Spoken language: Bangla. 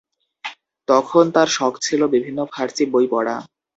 তখন তার শখ ছিলো বিভিন্ন ফার্সি বই পড়া।